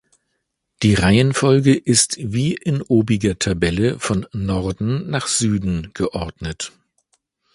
Die Reihenfolge ist wie in obiger Tabelle von Norden nach Süden geordnet.